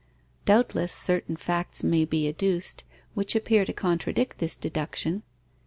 Doubtless certain facts may be adduced, which appear to contradict this deduction.